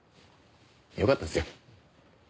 よかったっすよ。